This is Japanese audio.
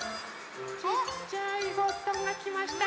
ちっちゃいゴットンがきましたね。